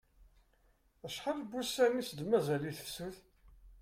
Acḥal n wussan i as-d-mazal i tefsut?